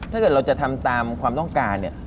ถ้าเกิดเราจะทำตามความต้องการเนี่ย